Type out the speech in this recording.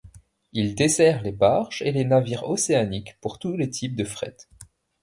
Il dessert les barges et les navires océaniques pour tous les types de fret.